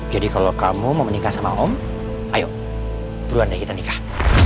jadi kalau kamu mau menikah sama om ayo duluan deh kita nikah